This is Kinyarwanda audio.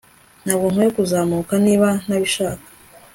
Ntabwo nkwiye kuzamuka niba ntabishaka